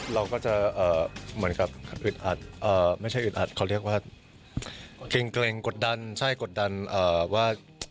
เราก็จะเหมือนกับอึดอัดไม่ใช่อึดอัดเขาเรียกว่าเกร็งกดดันใช่กดดันว่า